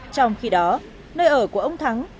trong khi đó nơi ở của ông thắng